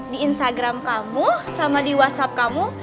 di instagram kamu sama di whatsapp kamu